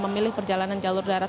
memilih perjalanan jalur darat